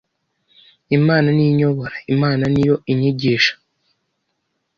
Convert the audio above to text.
Imana niyo inyobora! Imana niyo inyigisha